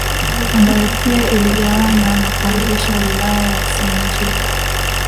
ambayo pia iligawanywa na kuanzisha Wilaya ya Simanjiro